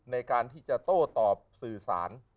ในการที่จะโต้ตอบสื่อสาร